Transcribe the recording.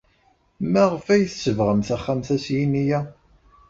Maɣef ay tsebɣem taxxamt-a s yini-a?